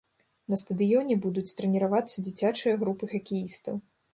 На стадыёне будуць трэніравацца дзіцячыя групы хакеістаў.